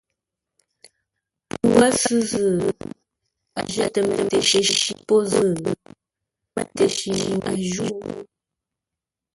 Pʉ wə́ sʉ̂ zʉ́, a jətə mətəshi pô zʉ́, mətəshi mi a jǔ.